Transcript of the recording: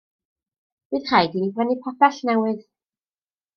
Bydd rhaid i ni brynu pabell newydd.